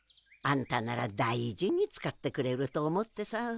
あんたなら大事に使ってくれると思ってさ。